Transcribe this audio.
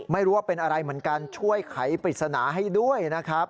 ไม่รู้ว่าเป็นอะไรเหมือนกันช่วยไขปริศนาให้ด้วยนะครับ